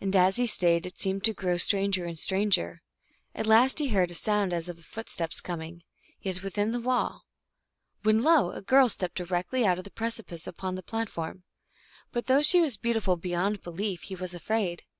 And as he stayed it seemed to grow stranger and stranger. At last he heard a sound as of foot steps coming, yet within the wall, when lo ! a girl stepped directly out of the precipice upon the plat form. But though she was beautiful beyond belief, he was afraid.